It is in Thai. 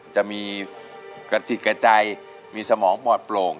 จะมีกระจิกกระใจมีสมองปลอดโปร่ง